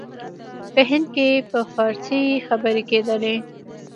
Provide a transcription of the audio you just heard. په هند کې په فارسي خبري کېدلې.